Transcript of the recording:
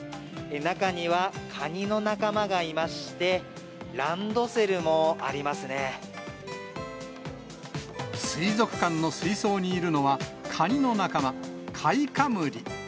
中にはカニの仲間がいまして、水族館の水槽にいるのは、カニの仲間、カイカムリ。